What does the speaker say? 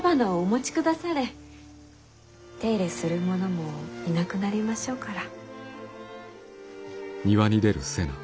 手入れする者もいなくなりましょうから。